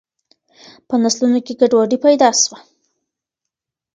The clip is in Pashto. په نسلونو کي ګډوډي پیدا سوه.